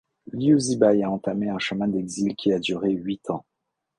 Liu Zhibai a entamé un chemin d'exil qui a duré huit ans.